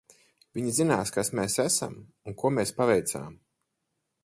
Viņi zinās, kas mēs esam un ko mēs paveicām.